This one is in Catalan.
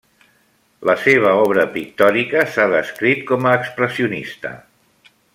La seva obra pictòrica s'ha descrit com a expressionista.